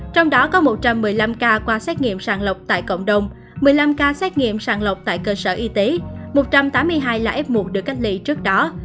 trong đó có một trăm một mươi năm ca qua xét nghiệm sàng lọc tại cộng đồng một mươi năm ca xét nghiệm sàng lọc tại cơ sở y tế một trăm tám mươi hai ca là f một được cách ly trước đó